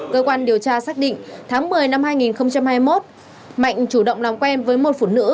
cơ quan điều tra xác định tháng một mươi năm hai nghìn hai mươi một mạnh chủ động làm quen với một phụ nữ